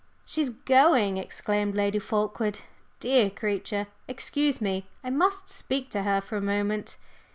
"She's going," exclaimed Lady Fulkeward. "Dear creature! Excuse me I must speak to her for a moment."